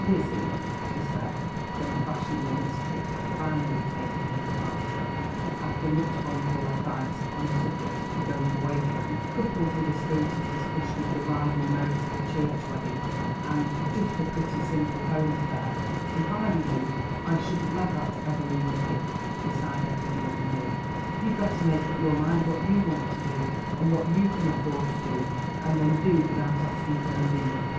"Lizzie," she said, when the fashionable Miss Tripp had finally taken her departure, after much voluble advice on the subject of the going away gown, coupled with a spirited discussion of the rival merits of a church wedding and "just a pretty, simple home affair," "if I were you I shouldn't let that Evelina Kipp decide everything for me. You'd better make up your mind what you want to do, and what you can afford to do, and then do it without asking her leave.